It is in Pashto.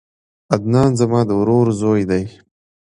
عدنان زما د ورور زوی دی